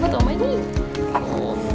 mau tau omah ini